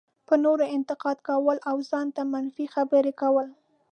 په نورو انتقاد کول او ځان ته منفي خبرې کول.